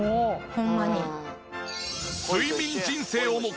ホンマに。